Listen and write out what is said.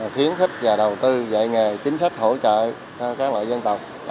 khuyến khích và đầu tư dạy nghề chính sách hỗ trợ cho các loại dân tộc